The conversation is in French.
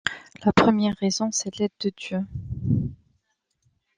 La première raison, c'est l'aide de Dieu.